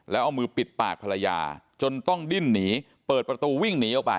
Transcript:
แล้วเอามือปิดปากภรรยาจนต้องดิ้นหนีเปิดประตูวิ่งหนีออกไป